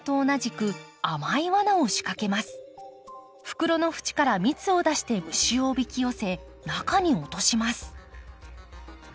袋の縁から蜜を出して虫をおびき寄せ中に落とします。